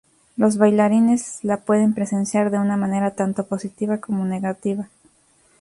Los bailarines la pueden presenciar de una manera tanto positiva como negativa.